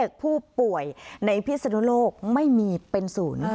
การเงิน